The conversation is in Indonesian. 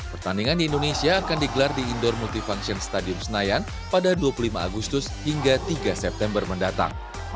pertandingan di indonesia akan digelar di indoor multifunction stadium senayan pada dua puluh lima agustus hingga tiga september mendatang